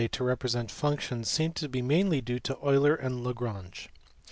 to represent functions, seems to be mainly due to Euler and Lagrange.